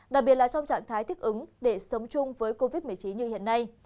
đặc biệt là trong trạng thái thích ứng để sống chung với covid một mươi chín như hiện nay